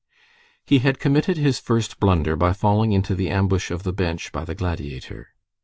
He had committed his first blunder, by falling into the ambush of the bench by the Gladiator.